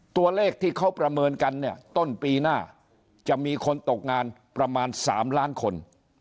ตัวเลขที่เขาประเมินกันเนี่ยต้นปีหน้าจะมีคนตกงานประมาณ๓ล้านคน